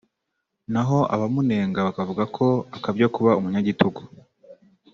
naho abamunenga bakavuga ko akabya kuba umunyagitugu